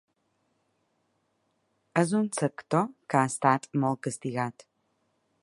És un sector que ha estat molt castigat.